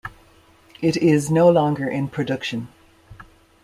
It is no longer in production.